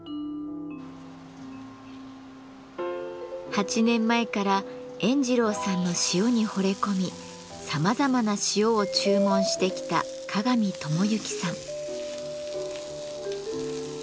８年前から塩二郎さんの塩にほれ込みさまざまな塩を注文してきた鏡智行さん。